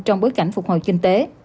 trong bối cảnh phục hồi kinh tế